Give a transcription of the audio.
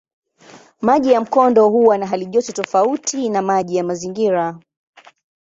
Maji ya mkondo huwa na halijoto tofauti na maji ya mazingira.